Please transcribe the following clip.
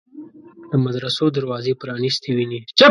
د مدرسو دروازې پرانیستې ویني.